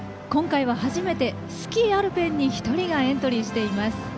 今回は初めてスキー・アルペンに１人がエントリーしています。